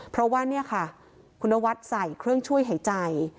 เพราะว่าเนี่ยค่ะคุณนวัดใส่เครื่องช่วยหายใจ